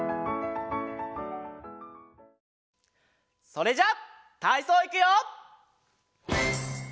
それじゃたいそういくよ！